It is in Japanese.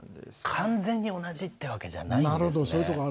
完全に同じっていうわけじゃないんですね。